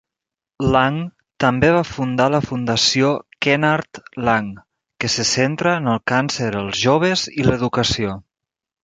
Lang també va fundar la Fundació Kenard Lang, que se centra en el càncer, els joves i l'educació.